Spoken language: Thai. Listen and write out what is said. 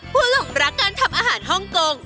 ผู้หล่งรักการทำอาหารห้องกง